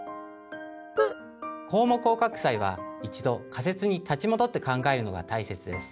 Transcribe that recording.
項目を書く際は一度仮説に立ち戻って考えるのがたいせつです。